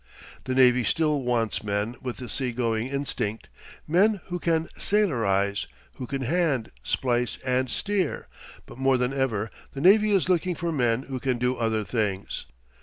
The navy still wants men with the seagoing instinct men who can sailorize, who can hand, splice, and steer; but more than ever the navy is looking for men who can do other things.